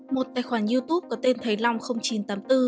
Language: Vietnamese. một tài khoản youtube có tên thầy long không xét nghiệm